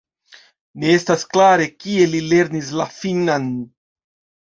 Ne estas klare, kie li lernis la finnan.